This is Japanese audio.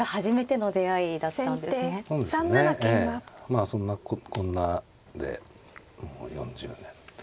まあそんなこんなでもう４０年。